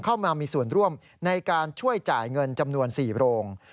เข้ามามีส่วนร่วมในการช่วยจ่ายเงินจำนวน๔โรง